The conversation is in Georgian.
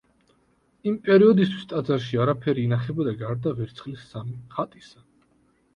იმ პერიოდისთვის ტაძარში არაფერი ინახებოდა, გარდა ვერცხლის სამი ხატისა.